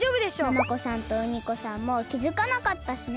ナマコさんとウニコさんもきづかなかったしね。